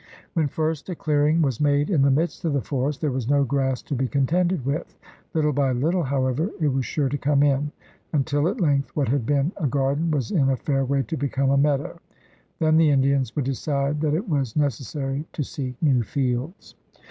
"When first a clearing was made in the midst of the forest, there was no grass to be contended with. Little by little, however, it was sure to come in, until at length what had been a garden was in a fair way to become a meadow. Then the Indians would decide that it was neces sary to seek new fields.